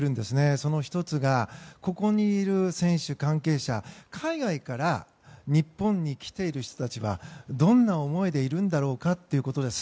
その１つがここにいる選手や関係者、海外から日本に来ている人たちはどんな思いでいるんだろうかということです。